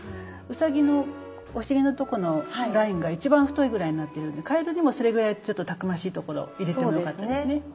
ウサギのお尻のとこのラインが一番太いぐらいになってるのでカエルにもそれぐらいたくましいところ入れてもよかったですね。